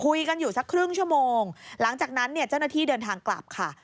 คุยกันอยู่สักครึ่งชั่วโมงหลังจากนั้นเนี่ยเจ้าหน้าที่เดินทางกลับค่ะ